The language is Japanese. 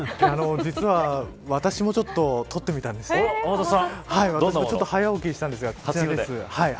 実は、私もちょっと撮ってみたんですがちょっと早起きしたんですが初日の出。